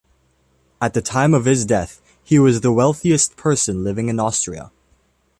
At the time of his death, he was the wealthiest person living in Austria.